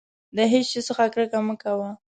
د هېڅ شي څخه کرکه مه کوه.